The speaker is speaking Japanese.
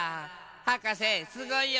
はかせすごいよ！